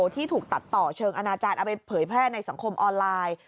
ที่ถูกตัดต่อเชิงอนาจารย์เอาไปเผยแพร่ในสังคมออนไลน์